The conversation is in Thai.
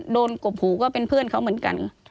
กบหูก็เป็นเพื่อนเขาเหมือนกัน